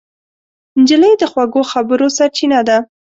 نجلۍ د خوږو خبرو سرچینه ده.